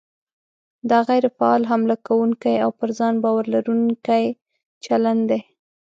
دا غیر فعال، حمله کوونکی او پر ځان باور لرونکی چلند دی.